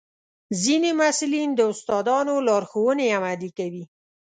ځینې محصلین د استادانو لارښوونې عملي کوي.